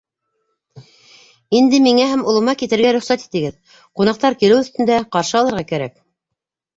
Инде миңә һәм улыма китергә рөхсәт итегеҙ: ҡунаҡтар килеү өҫтөндә - ҡаршы алырға кәрәк.